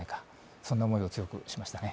そんな思いを強くしましたね。